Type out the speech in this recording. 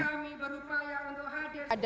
kami berupaya untuk hadir